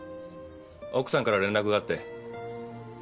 奥さんから連絡があって。